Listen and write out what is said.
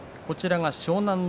湘南乃